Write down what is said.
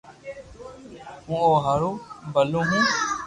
ھون او ھارو ڀلو ھون